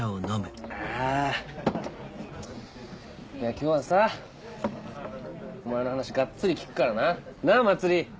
今日はさお前の話がっつり聞くからな。なぁ茉莉。